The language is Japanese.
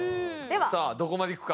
さあどこまでいくか。